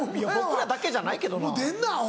僕らだけじゃないけどな。